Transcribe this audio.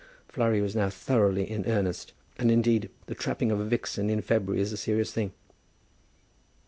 Flurry was now thoroughly in earnest; and, indeed, the trapping of a vixen in February is a serious thing.